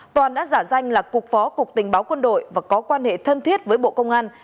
toàn đã giả danh là cục phó cục tình báo quân đội và có quan hệ thân thiết với bộ công an